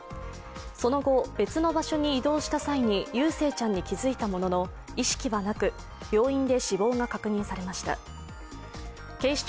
その後、別の場所に移動した際に祐誠ちゃんに気づいたものの、意識はなく、病院で死亡が確認されました。